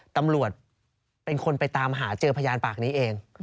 ตำรวจเป็นคนไปตามหาเจอพยานปากนี้เอง